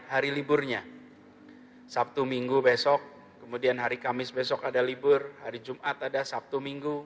hari liburnya sabtu minggu besok kemudian hari kamis besok ada libur hari jumat ada sabtu minggu